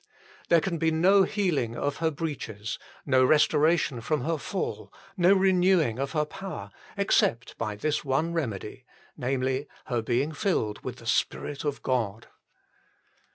There can be no healing of her breaches, no restoration from her fall, no renew ing of her power, except by this one remedy namely, her being filled with the Spirit of God.